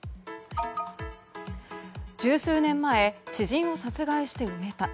十数年前知人を殺害して埋めた。